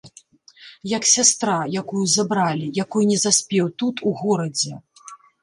Як сястра, якую забралі, якой не заспеў тут, у горадзе.